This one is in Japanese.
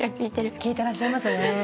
聞いてらっしゃいますね。